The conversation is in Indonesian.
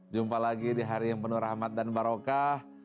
jumpa lagi di hari yang penuh rahmat dan barokah